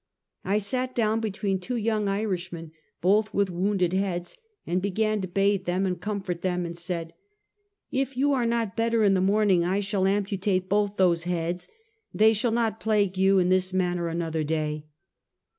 I sat down between two young Irishmen, both with wounded heads, and began to bathe them, and comfort them, and said: " If you are not better in the morning, I shall am putate both those heads; they shall not plague you in this manner another day."